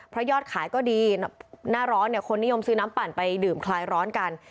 เพราะยอดขายก็ดีหน้าร้อนเนี่ยคนนิยมซื้อน้ำปั่นไปดื่มคลายร้อนกัน